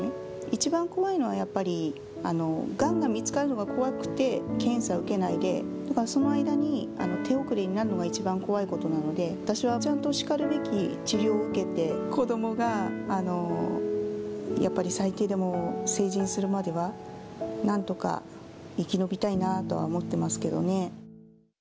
一番怖いのはやっぱり、がんが見つかるのが怖くて検査を受けないで、だからその間に手遅れになるのが一番怖いことなので、私はちゃんとしかるべき治療を受けて、子どもがやっぱり最低でも成人するまでは、なんとか生き延びたいなとは思ってますけどね。